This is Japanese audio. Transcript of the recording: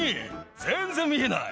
全然見えない。